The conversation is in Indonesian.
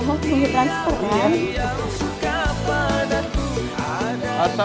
oh punya transferan